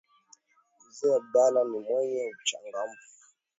Mzee Abdullah ni mwenye uchangamfu.